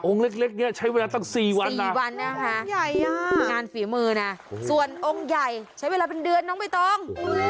องค์เล็กเนี่ยใช้เวลาต้อง๔วันล่ะงานฝีมือน่ะส่วนองค์ใหญ่ใช้เวลาเป็นเดือนน้องบิตอง